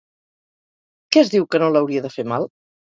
Què es diu que no l'hauria de fer mal?